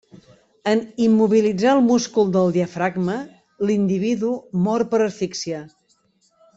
En immobilitzar el múscul del diafragma, l'individu mor per asfíxia.